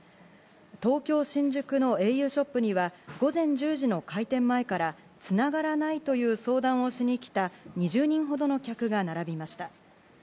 東京・新宿のａｕショップには午前１０時の開店前から繋がらないという相談をしに来た２０人ほどの客が並びました。